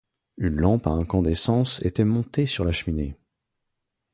Une lampe à incandescence était montée sur la cheminée.